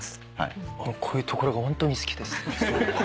もうこういうところがホントに好きです。